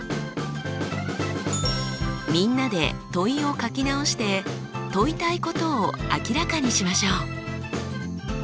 みんなで問いを書き直して問いたいことを明らかにしましょう。